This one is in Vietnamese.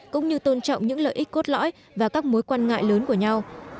cũng như tôn trọng những lợi ích cốt lõi và các mối quan ngại lớn của nhau